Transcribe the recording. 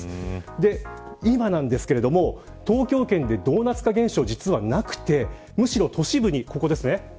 で、今なんですけれども東京圏でドーナツ化現象、実はなくてむしろ、都市部に、ここですね。